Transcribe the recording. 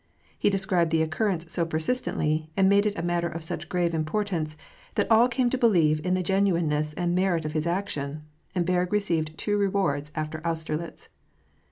He described the occur rence so persistently, and made it a matter of such grave importance, that all came to believe in the genuineness and merit of his action, and Berg received two rewards after Austerlitz.